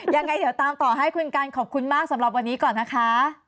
ยังไงเดี๋ยวตามต่อให้คุณกันขอบคุณมากสำหรับวันนี้ก่อนนะคะ